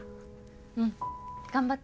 うん頑張って。